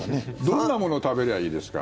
どんなものを食べりゃあいいですか？